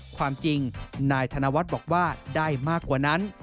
ความจริงนายธนวัฒน์บอกว่าได้มากกว่านั้น